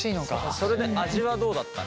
それで味はどうだったの？